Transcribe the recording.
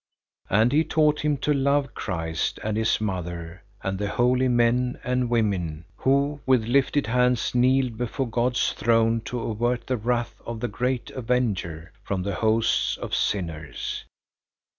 And he taught him to love Christ and his mother and the holy men and women, who with lifted hands kneeled before God's throne to avert the wrath of the great Avenger from the hosts of sinners.